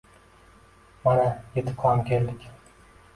- Mana, yetib ham keldik.